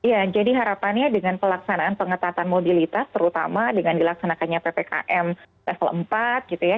ya jadi harapannya dengan pelaksanaan pengetatan mobilitas terutama dengan dilaksanakannya ppkm level empat gitu ya